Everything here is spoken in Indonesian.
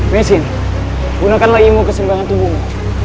mesin gunakanlah ilmu kesimpangan tubuhmu